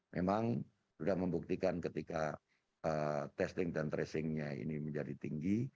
memang sudah membuktikan ketika testing dan tracingnya ini menjadi tinggi